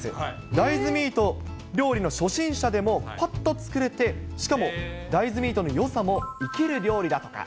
大豆ミート料理の初心者でもぱっと作れて、しかも大豆ミートのよさも生きる料理だとか。